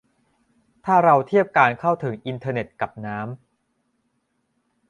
ถ้าเราเทียบการเข้าถึงอินเทอร์เน็ตกับน้ำ